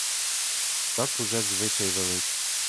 Так уже звичай велить.